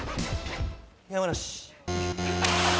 山梨。